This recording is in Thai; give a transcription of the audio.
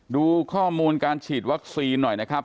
ดูข้อมูลการฉีดวัคซีนหน่อยนะครับ